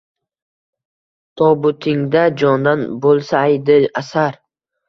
Tobutingda jondan bo’lsaydi asar